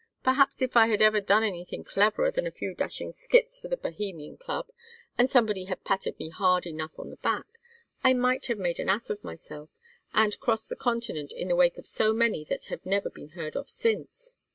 Perhaps if I had ever done anything cleverer than a few dashing skits for the Bohemian Club, and somebody had patted me hard enough on the back, I might have made an ass of myself and crossed the continent in the wake of so many that have never been heard of since."